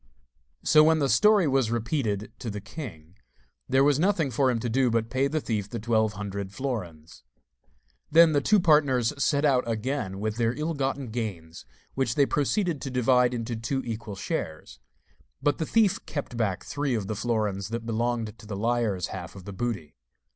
So, when the story was repeated to the king, there was nothing for him to do but to pay the thief the twelve hundred florins. Then the two partners set out again with their ill gotten gains, which they proceeded to divide into two equal shares; but the thief kept back three of the florins that belonged to the liar's half of the booty.